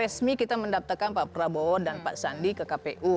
resmi kita mendaftarkan pak prabowo dan pak sandi ke kpu